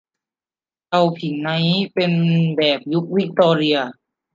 เตาผิงนี้เป็นแบบยุควิคตอเรีย